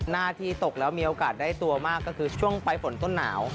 หน้าที่ตกแล้วมีโอกาสได้ตัวมากก็คือช่วงปลายฝนต้นหนาว